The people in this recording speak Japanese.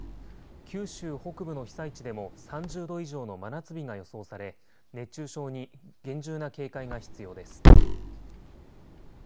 九州北部の被災地でも３０度以上の真夏日が予想され熱中症に厳重な警戒が必要です。